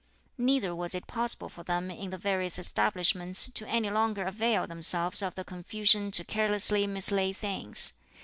Neither was it possible for them in the various establishments to any longer avail themselves of the confusion to carelessly mislay things.